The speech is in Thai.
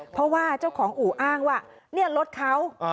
เพราะว่าเจ้าของอู่อ้างว่าเนี่ยรถเขา